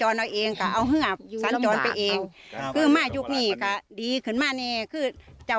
ร้ายกว่านี้อยู่ค่ะน่ะ